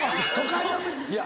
いや。